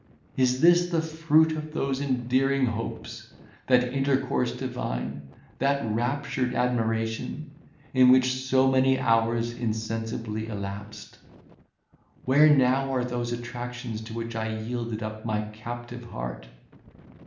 Is this the fruit of those endearing hopes, that intercourse divine, that raptured admiration, in which so many hours insensibly elapsed? where now are those attractions to which I yielded up my captive heart?